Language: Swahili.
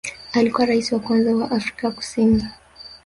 Alikuwa rais wa kwanza wa Afrika Kusini